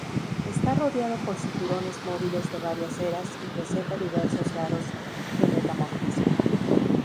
Está rodeado por cinturones móviles de varias eras y presenta diversos grados de metamorfismo.